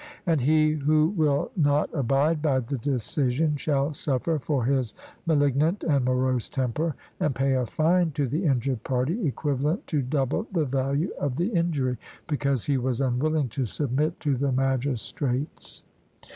And he who will not abide by the decision shall suffer for his malignant and morose temper, and pay a fine to the injured party, equivalent to double the value of the injury, because he was unwilling to submit to the magistrates.